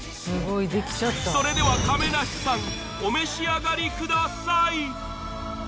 それでは亀梨さんお召し上がりください